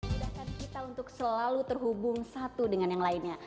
sudahkan kita untuk selalu terhubung satu dengan yang lainnya